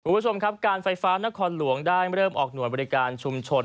คุณผู้ชมครับการไฟฟ้านครหลวงได้เริ่มออกหน่วยบริการชุมชน